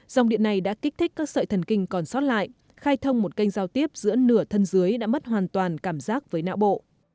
dòng điện này đã kích thích các sợi thần kinh còn sót lại khai thông một kênh giao tiếp giữa nửa thân dưới đã mất hoàn toàn cảm giác với não bộ